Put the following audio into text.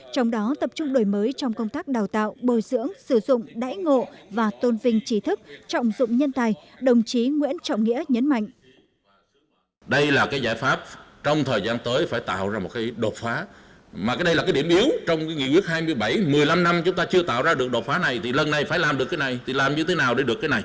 trong đó tập trung đổi mới trong công tác đào tạo bồi dưỡng sử dụng đáy ngộ và tôn vinh trí thức